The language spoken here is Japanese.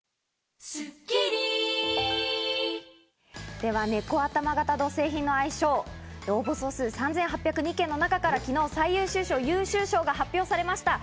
では、ねこ頭形土製品の愛称、応募総数３８０２件の中から昨日、最優秀賞と優秀賞が発表されました。